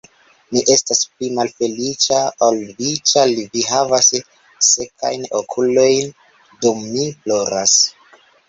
Mi estas pli malfeliĉa ol vi, ĉar vi havas sekajn okulojn, dum mi ploras.